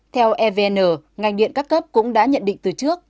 theo evn ngành điện các cấp cũng đã nhận định từ trước